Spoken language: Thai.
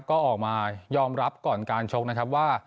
ก็ออกมายอมรับก่อนการชกนะครับว่า